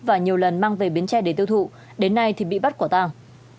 và nhiều lần mang về biến tre để tiêu thụ đến nay thì bị bắt quả tàng